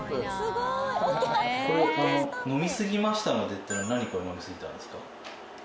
これ「飲み過ぎましたので」っていうのは何飲み過ぎたんですか？